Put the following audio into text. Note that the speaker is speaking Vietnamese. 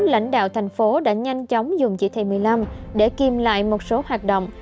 lãnh đạo thành phố đã nhanh chóng dùng chỉ thị một mươi năm để kìm lại một số hoạt động